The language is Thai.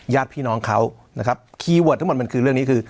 ญาติพี่น้องเขานะครับคีย์เวิร์ดทั้งหมดมันคือเรื่องนี้คือ